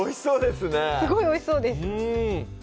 すごいおいしそうです